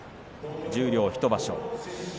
十両１場所。